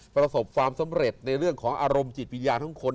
ประสบความสำเร็จในเรื่องของอารมณ์จิตวิญญาณทั้งคน